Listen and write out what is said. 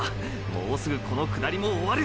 もうすぐこの下りも終わる！！